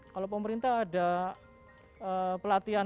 kalau pemerintah ada pelatihan